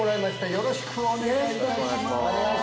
よろしくお願いします